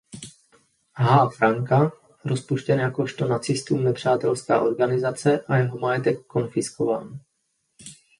H. Franka rozpuštěn jakožto nacistům nepřátelská organizace a jeho majetek konfiskován.